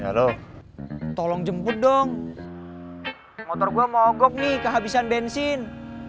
halo tolong jemput dong motor gue mogok nih kehabisan bensin